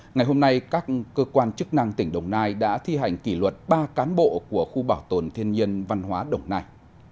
ngày hôm nay các cơ quan chức năng tỉnh đồng nai đã thi hành kỷ luật ba cán bộ của khu bảo tồn thiên nhiên văn hóa đồng nai